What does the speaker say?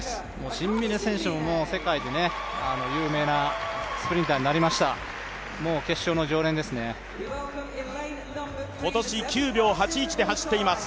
シンビネ選手も有名なスプリンターになりましたから今年９秒８１で走っています